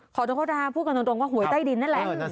ขอโทษนะคะพูดกันตรงว่าหวยใต้ดินนั่นแหละ